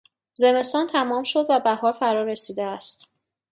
زمستان تمام شد و بهار فرا رسیده است.